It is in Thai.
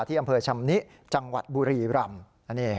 ที่อำเภอชำนิจังหวัดบุรีรำ